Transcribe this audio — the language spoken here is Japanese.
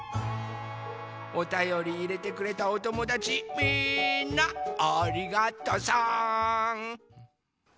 おたよりいれてくれたおともだちみんなありがとさん！